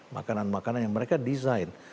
makanan makanan yang mereka desain